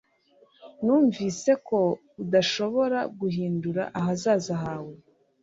Numvise ko udashobora guhindura ahazaza hawe